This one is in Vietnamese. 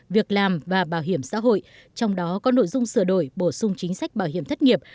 việc làm và bảo hiểm xã hội trong đó có nội dung sửa đổi bổ sung chính sách bảo hiểm thất nghiệp